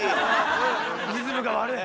リズムが悪い！